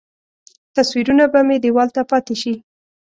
تصویرونه به مې دیوال ته پاتې شي.